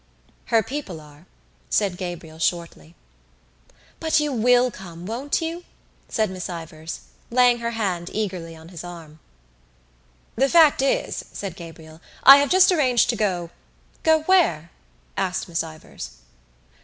"Her people are," said Gabriel shortly. "But you will come, won't you?" said Miss Ivors, laying her warm hand eagerly on his arm. "The fact is," said Gabriel, "I have just arranged to go——" "Go where?" asked Miss Ivors.